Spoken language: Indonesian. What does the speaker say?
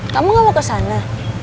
kamu gak mau kesana